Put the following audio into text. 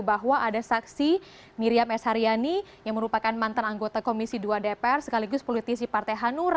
bahwa ada saksi miriam s haryani yang merupakan mantan anggota komisi dua dpr sekaligus politisi partai hanura